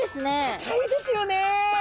赤いですよね。